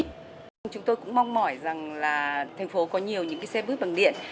chúng tôi cũng mong mỏi rằng là thành phố có nhiều những cái xe buýt bằng điện